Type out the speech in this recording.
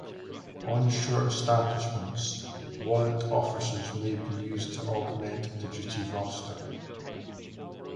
On shore establishments, Warrant Officers may be used to augment the duty roster.